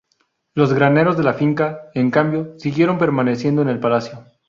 Los graneros de la finca, en cambio, siguieron permaneciendo en el palacio.